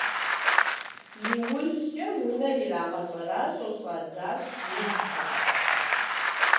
Иужькӏэ унэр ирагъэщӏэращӏэу щӏадзащ удзхэм.